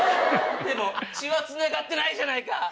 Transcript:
でも血はつながってないじゃないか。